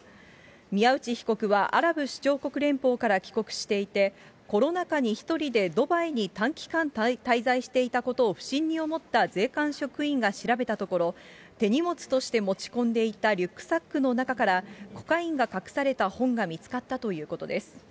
宮内被告は、アラブ首長国連邦から帰国していて、コロナ禍に１人でドバイに短期間滞在していたことを不審に思った税関職員が調べたところ、手荷物として持ち込んでいたリュックサックの中から、コカインが隠された本が見つかったということです。